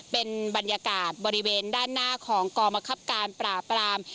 เป็นบรรยากาศบริเวณด้านหน้าของกรมคับการปราบปราม